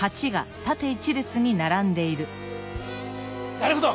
なるほど！